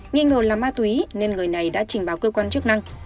nghi ngờ là ma túy nên người này đã trình báo cơ quan chức năng